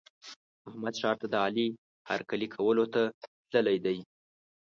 احمد ښار ته د علي هرکلي کولو ته تللی دی.